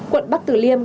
quận bắc tử liêm